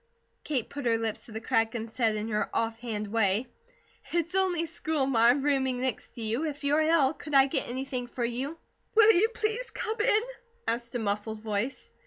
Kate put her lips to the crack and said in her off hand way: "It's only a school marm, rooming next you. If you're ill, could I get anything for you?" "Will you please come in?" asked a muffled voice.